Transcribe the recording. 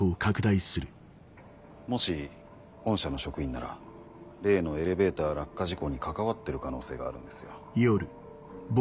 もし御社の職員なら例のエレベーター落下事故に関わってる可能性があるんですよ。